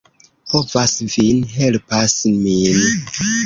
Povas vin helpas min?